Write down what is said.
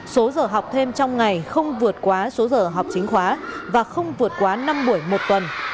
số giờ học thêm trong ngày không vượt quá số giờ học chính khóa và không vượt quá năm buổi một tuần